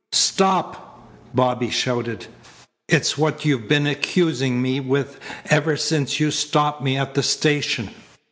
"Stop!" Bobby shouted. "It's what you've been accusing me with ever since you stopped me at the station."